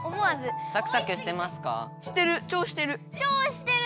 してる！